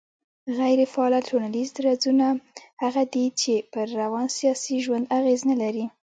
غيري فعاله ټولنيز درځونه هغه دي چي پر روان سياسي ژوند اغېز نه لري